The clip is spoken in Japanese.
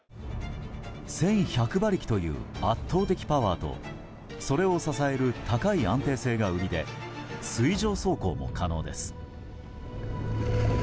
１１００馬力という圧倒的パワーとそれを支える高い安定性が売りで水上走行も可能です。